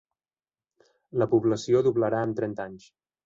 La població doblarà en trenta anys.